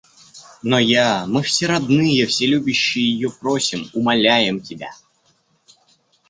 Но я, мы все родные, все любящие ее просим, умоляем тебя.